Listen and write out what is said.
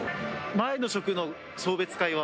前の職の送別会は？